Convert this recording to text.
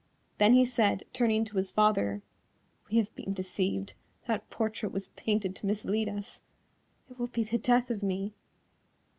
Then he said, turning to his father, "We have been deceived, that portrait was painted to mislead us. It will be the death of me."